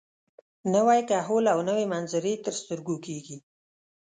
نوی کهول او نوې منظرې تر سترګو کېږي.